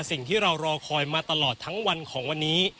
สิ่งที่เรารอคอยมาตลอดทั้งวันของวันนี้